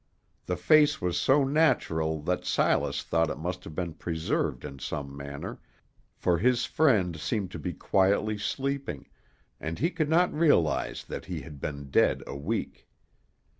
The face was so natural that Silas thought it must have been preserved in some manner, for his friend seemed to be quietly sleeping, and he could not realize that he had been dead a week.